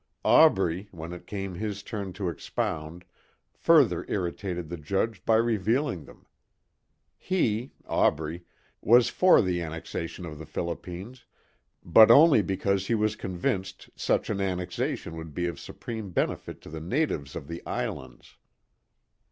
Aubrey, when it came his turn to expound, further irritated the judge by revealing them. He, Aubrey, was for the annexation of the Philippines but only because he was convinced such an annexation would be of supreme benefit to the natives of the islands.